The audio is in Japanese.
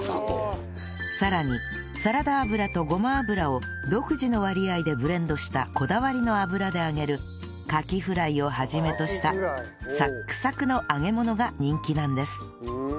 さらにサラダ油とごま油を独自の割合でブレンドしたこだわりの油で揚げるカキフライを始めとしたサックサクの揚げ物が人気なんです